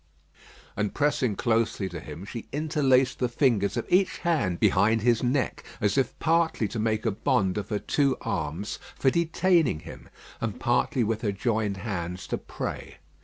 And pressing closely to him, she interlaced the fingers of each hand behind his neck, as if partly to make a bond of her two arms for detaining him, and partly with her joined hands to pray.